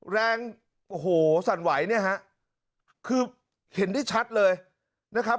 แรงโอ้โหสั่นไหวเนี่ยฮะคือเห็นได้ชัดเลยนะครับ